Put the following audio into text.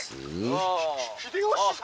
ひ秀吉様！